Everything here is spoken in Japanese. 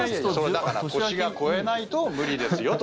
だから、年が越えないと無理ですよと。